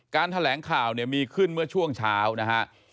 แถลงข่าวเนี่ยมีขึ้นเมื่อช่วงเช้านะฮะ